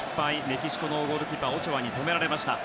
メキシコのゴールキーパーオチョアに止められました。